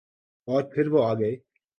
اورپھر وہ آگئے۔